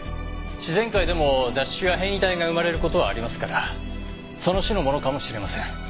自然界でも雑種や変異体が生まれる事はありますからその種のものかもしれません。